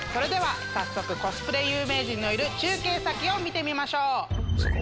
早速コスプレ有名人のいる中継先を見てみましょう。